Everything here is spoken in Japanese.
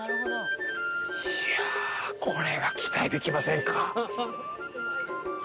いやこれは期待できませんか？